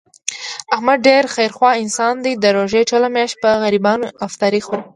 احمد ډېر خیر خوا انسان دی، د روژې ټوله میاشت په غریبانو افطاري خوري.